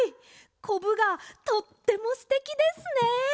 こぶがとってもすてきですね！